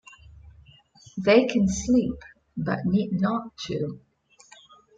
They can sleep but need not to.